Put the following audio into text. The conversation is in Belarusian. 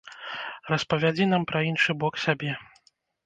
Распавядзі нам пра іншы бок сябе.